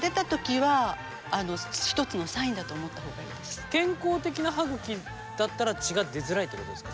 基本的に健康的な歯ぐきだったら血が出づらいってことですか？